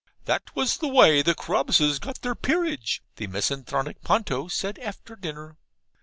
'That was the way the Carabases got their peerage,' the misanthropic Ponto said after dinner.